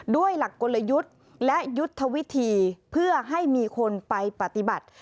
ด้วยหลักกลยุทธ์และยุทธวิธีเพื่อให้มีคนไปปฏิบัติ